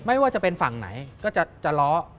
ไม่ว่าจะเป็นฝั่งไหนก็จะล้อ